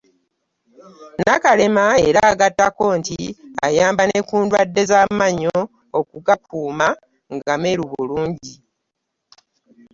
Nakalema era agattako nti ayamba ne ku ndwadde z’amannyo okugakuuma nga meeru bulungi.